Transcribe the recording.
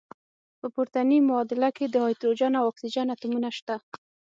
په پورتني معادله کې د هایدروجن او اکسیجن اتومونه شته.